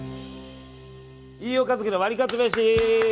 飯尾和樹のワリカツめし！